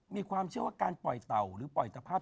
มีความเชื่อว่าการปล่อยเต่าหรือปล่อยตภาพ